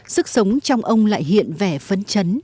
sức sống trong ông lại hiện vẻ phấn chấn